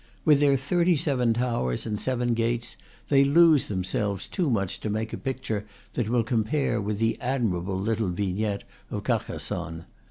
With their thirty seven towers and seven gates they lose themselves too much to make a picture that will compare with the ad mirable little vignette of Carcassonne.